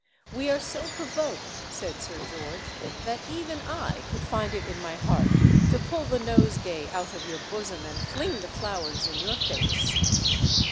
"We are so provoked," said Sir George, "that even I could find it in my heart to pull the nosegay out of your bosom, and fling the flowers in your face."